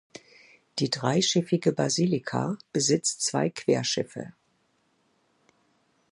Die dreischiffige Basilika besitzt zwei Querschiffe.